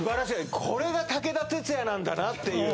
これが武田鉄矢なんだなっていう。